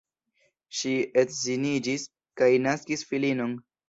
Ŝi edziniĝis kaj naskis filinon.